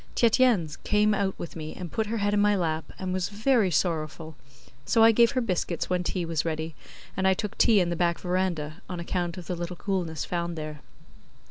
Tietjens came out with me and put her head in my lap and was very sorrowful; so I gave her biscuits when tea was ready, and I took tea in the back verandah on account of the little coolness found there.